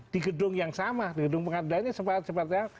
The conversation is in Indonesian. di gedung yang sama di gedung pengadilannya sepatu sepatunya